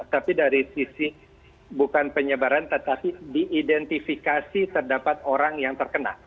tapi dari sisi bukan penyebaran tetapi diidentifikasi terdapat orang yang terkena